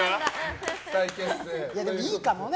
でも、いいかもね。